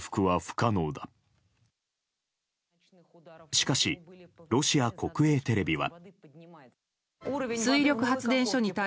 しかし、ロシア国営テレビは。